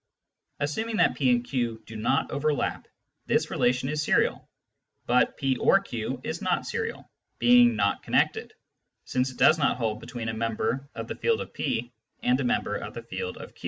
Assuming that P and Q do not overlap, this relation is serial, but " P or Q " is not serial, being not connected, since it does not hold between a member of the field of P and a member of the field of Q.